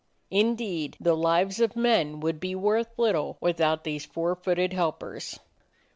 Indeed the lives of men would be worth little without these four footed helpers.